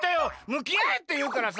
むきあえっていうからさ。